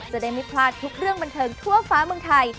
จะได้ไม่พลาดทุกเรื่องบันเทิงทั่วฟ้าเมืองไทย